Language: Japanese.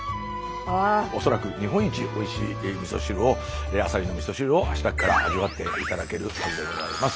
恐らく日本一おいしいみそ汁をアサリのみそ汁をあしたから味わって頂けるはずでございます。